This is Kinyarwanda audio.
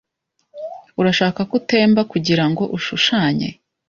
Urashaka ko utemba kugirango ushushanye